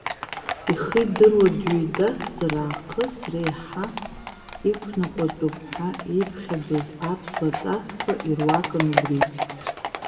Ихы идыруа дҩеидасзар аахыс реиҳа иқәныҟәатәуп ҳәа ииԥхьаӡоз аԥсуа ҵасқәа ируакын убри.